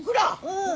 うん。